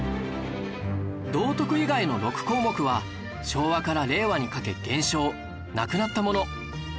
道徳以外の６項目は昭和から令和にかけ減少なくなったもの